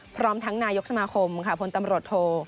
พร้อมทั้งนายกสมาคมค่ะพลตำรวจโท